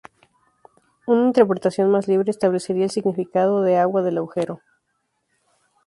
Una interpretación más libre establecería el significado de "Agua del agujero".